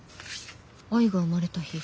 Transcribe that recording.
「愛が生まれた日」。